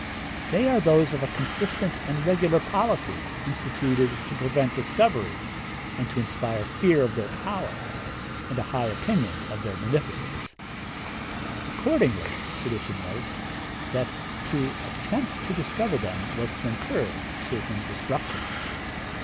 They are those of a consistent and regular policy instituted to prevent discovery, and to inspire fear of their power, and a high opinion of their beneficence. Accordingly tradition notes, that to attempt to discover them was to incur certain destruction.